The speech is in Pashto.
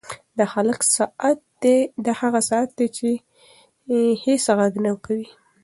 دا هغه ساعت دی چې هېڅ غږ نه کوي.